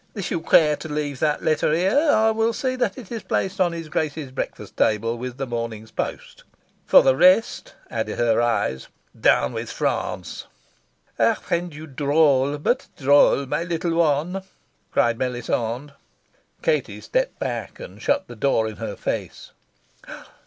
"If you care to leave that letter here, I will see that it is placed on his Grace's breakfast table, with the morning's post." "For the rest," added her eyes, "Down with France!" "I find you droll, but droll, my little one!" cried Melisande. Katie stepped back and shut the door in her face.